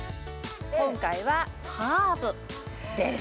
今回はハーブです。